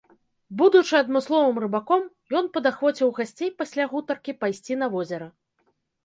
Будучы адмысловым рыбаком, ён падахвоціў гасцей пасля гутаркі пайсці на возера.